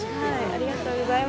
◆ありがとうございます。